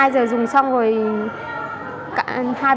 hai giờ dùng xong rồi